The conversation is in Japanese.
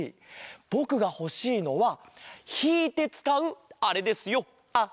ぼくがほしいのはひいてつかうあれですよあれ！